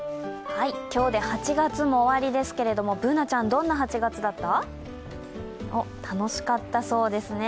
今日で８月も終わりですけれどもＢｏｏｎａちゃん、どんな８月だった？楽しかったそうですね。